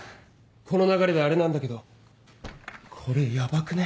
この流れであれなんだけどこれヤバくね？